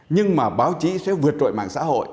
nhưng mà báo chí sẽ vượt trội mạng xã hội